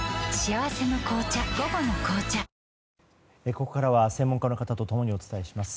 ここからは専門家の方と共にお伝えします。